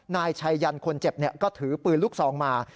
นายชัยยันคนเจ็บก็ถือปืนลูกซองมา